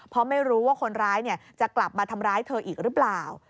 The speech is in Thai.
เพราะไม่รู้ว่าคนร้ายจะกลับมาทำร้ายเธออีกหรือเปล่า